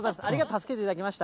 助けていただきました。